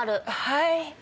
はい？